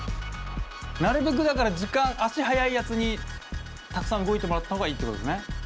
なるべくだから時間足速いやつにたくさん動いてもらった方がいいってことですね。